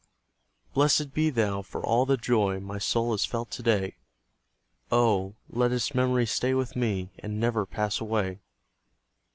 Blessed be Thou for all the joy My soul has felt to day! Oh, let its memory stay with me, And never pass away!